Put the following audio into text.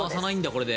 これで。